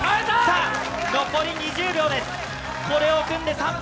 残り２０秒です。